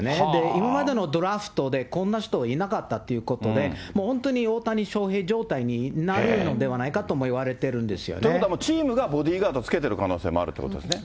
今までのドラフトで、こんな人いなかったっていうことで、もう本当に大谷翔平状態になるのではないかともいわれてるんですということはチームがボディーガードをつけてる可能性あるということですよね。